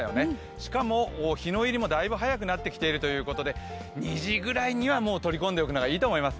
しかも、日の入りもだいぶ早くなってきているということで２時ぐらいには取り込んでおくのがいいと思います。